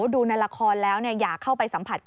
ดูในละครแล้วอยากเข้าไปสัมผัส